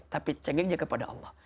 tapi cengengnya kepada allah